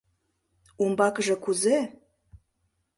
Умбакыже кузе?